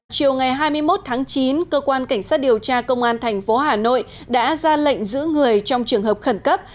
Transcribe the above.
chiều ngày hai mươi một tháng chín cơ quan cảnh sát điều tra công an thành phố hà nội đã ra lệnh giữ người trong trường hợp khẩn cấp